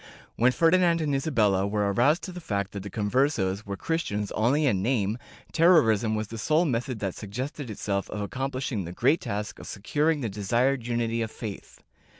When Ferdinand and Isabella were aroused to the fact that the Conversos were Christians only in name, terrorism was the sole method that suggested itself of accom plishing the great task of securing the desired unity of faith.